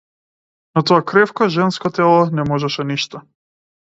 Но тоа кревко женско тело не можеше ништо.